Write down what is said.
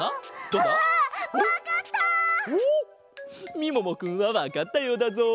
みももくんはわかったようだぞ。